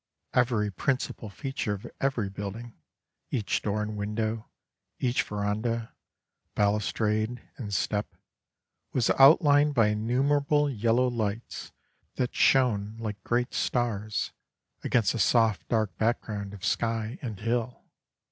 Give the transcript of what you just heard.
Every principal feature of every building, each door and window, each verandah, balustrade, and step, was outlined by innumerable yellow lights that shone like great stars against the soft dark background of sky and hill.